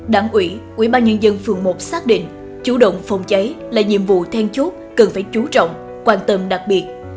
đảng ủy quỹ ban nhân dân phường một xác định chú động phòng cháy là nhiệm vụ then chốt cần phải chú trọng quan tâm đặc biệt